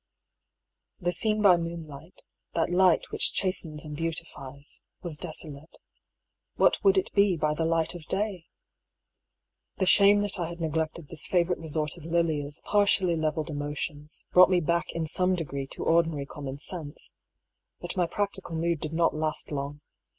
The scene by moonlight, that light which chas tens and beautifies, was desolate — what would it be by the light of day ? The shame that I had neglected this favourite resort of Lilia's partially levelled emotions, brought me back in some degree to ordinary common sense. But my practical mood did not last long.